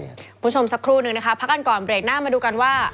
คุณผู้ชมสักครู่นึงนะคะพักกันก่อนเบรกหน้ามาดูกันว่า